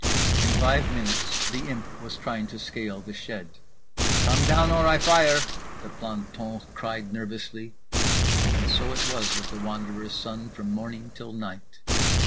In five minutes The Imp was trying to scale the shed. "Come down or I fire," the planton cried nervously … and so it was with The Wanderer's son from morning till night.